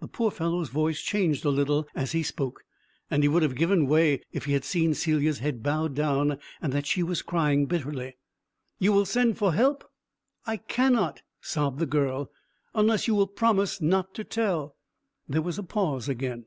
The poor fellow's voice changed a little as he spoke, and he would have given way if he had seen Celia's head bowed down, and that she was crying bitterly. "You will send for help?" "I cannot," sobbed the girl, "unless you will promise not to tell." There was a pause again.